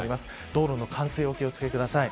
道路の冠水にお気を付けください。